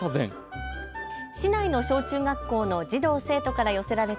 市内の小中学校の児童、生徒から寄せられた